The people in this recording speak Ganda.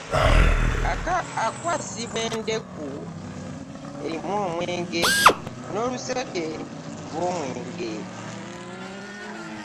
Akwasibwa n'endeku erimu omwenge n'oluseke lw'omwenge.